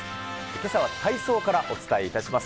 けさは体操からお伝えいたします。